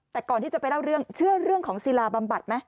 แต่ก่อนที่จะไปเล่าเรื่องเชื่อเรื่องของศิลาบำบัดไหม